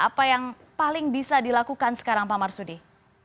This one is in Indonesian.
apa yang paling bisa dilakukan sekarang pak marsudi